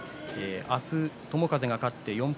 明日、友風勝って４敗